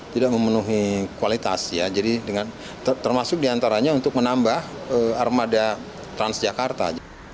tidak memenuhi kualitas ya jadi dengan termasuk diantaranya untuk menambah armada transjakarta